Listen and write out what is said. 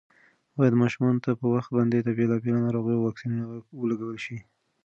باید ماشومانو ته په وخت باندې د بېلابېلو ناروغیو واکسینونه ولګول شي.